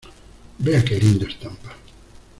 vea qué linda estampa.